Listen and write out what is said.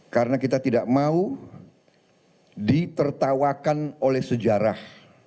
karena kita tidak mau ditertawakan oleh sejarah